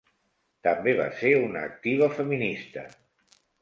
També va ser una activa feminista.